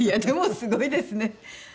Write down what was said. でもすごいですね。